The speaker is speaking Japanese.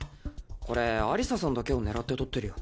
これアリサさんだけを狙って撮ってるよ。